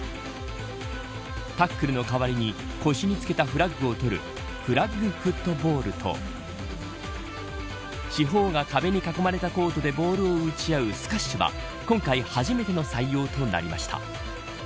タックルの代わりに腰に着けたフラッグを取るフラッグフットボールと四方が壁に囲まれたコートでボールを打ち合うスカッシュは今回初めての採用となりました。